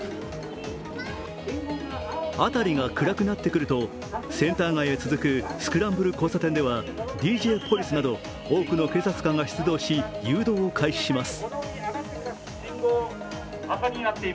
辺りが暗くなってくるとセンター街へ続くスクランブル交差点ではＤＪポリスなど多くの警察官が出動し、誘導を開始します。